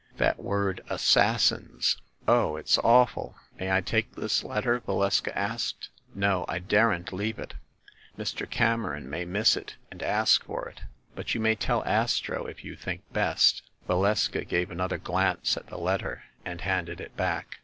That word 'Assassins' ‚ÄĒ Oh, it's awful !" "May I take this letter?" Valeska asked. "No, I daren't leave it. Mr. Cameron may miss it and ask for it. But you may tell Astro, if you think best." Valeska gave another glance at the letter and handed it back.